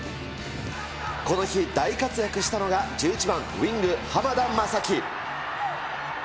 この日、大活躍したのが１１番、ウイング、濱田将暉。